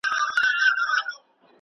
ولي ځینې هېوادونه لا هم وروسته پاته دي؟